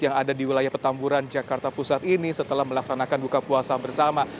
yang ada di wilayah petamburan jakarta pusat ini setelah melaksanakan buka puasa bersama